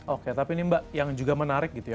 oke tapi ini mbak yang juga menarik gitu ya